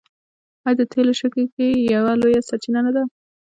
آیا د تیلو شګې یوه لویه سرچینه نه ده؟